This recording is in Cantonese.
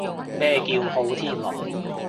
咩叫好天龍？